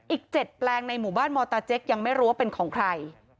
อีก๗แปลงในหมู่บ้านมอตาเจ๊กยังไม่รู้ว่าเป็นของใคร